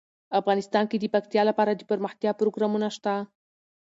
افغانستان کې د پکتیا لپاره دپرمختیا پروګرامونه شته.